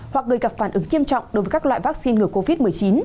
hoặc gây gặp phản ứng nghiêm trọng đối với các loại vắc xin ngừa covid một mươi chín